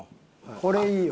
これいいよ。